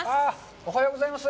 おはようございます。